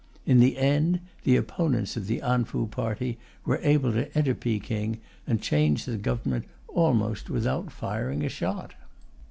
In the end, the opponents of the An Fu party were able to enter Peking and change the Government almost without firing a shot.